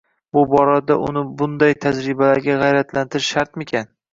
Bu borada uni bshnday tajribalarga g‘ayratlantirish shartmikin?